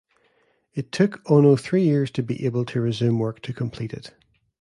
It took Ono three years to be able to resume work to complete it.